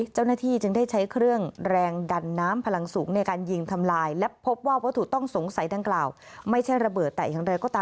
เจ้าหน้าที่จึงได้ใช้เครื่องแรงดันน้ำพลังสูงในการยิงทำลาย